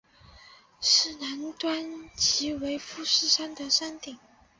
市南端即为富士山的山顶。